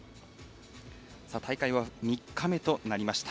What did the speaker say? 大会は３日目となりました。